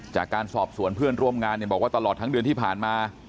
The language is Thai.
จากการสอบสวนเพื่อนร่วมงานบอกว่าตลอดทั้งเดือนที่ผ่านมา